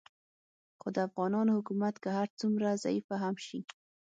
خو د افغانانو حکومت که هر څومره ضعیفه هم شي